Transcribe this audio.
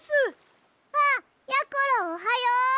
あっやころおはよう！